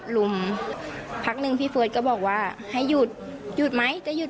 ลุมพักหนึ่งพี่เฟิร์สก็บอกว่าให้หยุดหยุดไหมจะหยุด